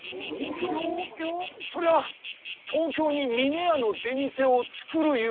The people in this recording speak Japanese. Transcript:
そりゃあ東京に峰屋の出店を作るゆうことですろうか？